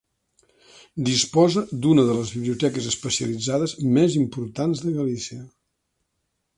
Disposa d'una de les biblioteques especialitzades més importants de Galícia.